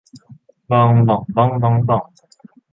บอง บ่อง บ้อง บ๊อง บ๋อง